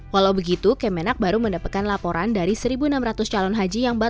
walau begitu kemenak baru mendapatkan laporan dari satu enam ratus calon haji